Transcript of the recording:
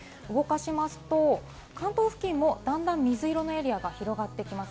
動かしますと、関東付近もだんだん水色のエリアが広がってきます。